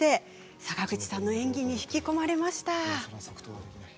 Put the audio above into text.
坂口さんの演技に引き込まれました。